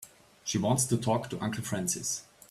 She wants to talk to Uncle Francis.